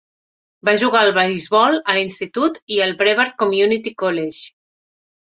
Va jugar al beisbol a l'institut i al Brevard Community College.